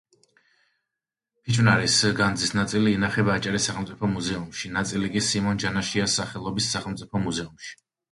ფიჭვნარის განძის ნაწილი ინახება აჭარის სახელმწიფო მუზეუმში, ნაწილი კი სიმონ ჯანაშიას სახელობის სახელმწიფო მუზეუმში.